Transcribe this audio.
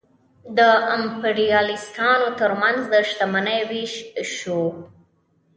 د امپریالیستانو ترمنځ د شتمنۍ وېش یو اصل دی